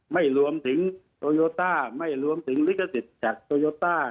ไม่รวมถึงโตโยต้าไม่รวมถึงลิขสิทธิ์จากโตโยต้า